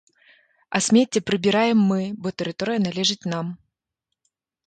А смецце прыбіраем мы, бо тэрыторыя належыць нам.